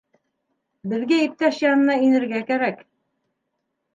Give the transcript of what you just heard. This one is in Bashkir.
Беҙгә иптәш янына инергә кәрәк.